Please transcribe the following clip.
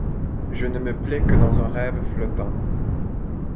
Je ne me plais que dans un rêve flottant.